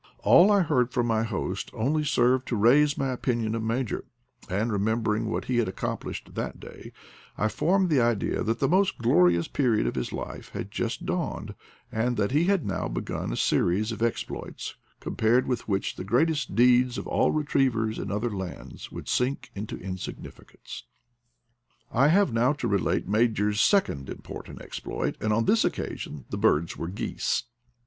All I heard from my host only served to raise my opinion of Major, and, remembering what he had accomplished that day, I formed the idea that the most glorious period of his life had just dawned, that he had now begun a series of ex ploits, compared with which the greatest deeds of all retrievers in other lands would sink into insig nificance. I have now to relate Major's second important exploit, and on this occasion the birds were geese.